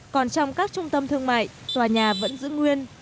còn trong các trung tâm thương mại tòa nhà vẫn giữ nguyên